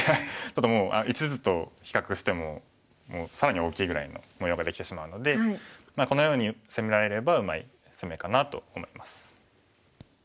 ちょっともう１図と比較しても更に大きいぐらいの模様ができてしまうのでこのように攻められればうまい攻めかなと思います。